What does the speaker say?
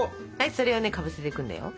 それをねかぶせていくんだよ。